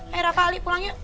hei rata ali pulang yuk